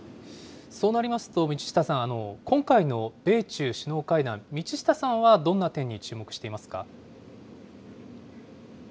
そうなりますと、道下さん、今回の米中首脳会談、道下さんはどんな点に注目していますか。